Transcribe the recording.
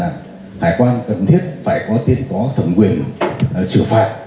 xử phạt trong cái vụ xuất khẩu